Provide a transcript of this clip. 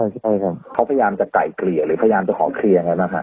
ใช่ครับเขาพยายามจะไกลเกลี่ยหรือพยายามจะขอเคลียร์ยังไงบ้างฮะ